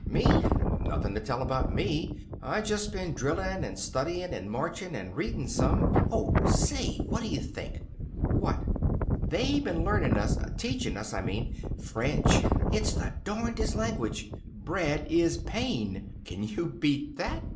"Me? Nothin' to tell about me. I just been drillin' and studyin' and marchin' and readin' some Oh, say, what d'you think?" "What?" "They been learnin' us teachin' us, I mean French. It's the darnedest language! Bread is pain. Can you beat that?